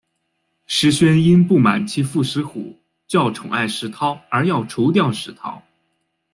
石宣因不满其父石虎较宠爱石韬而要除掉石韬。